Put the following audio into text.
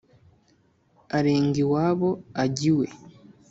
arenga iwabo, ajya iwe